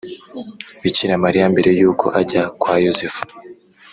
bikira mariya mbere y’uko ajya kwa yozefu.